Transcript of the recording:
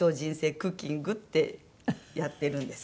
クッキング」ってやってるんです。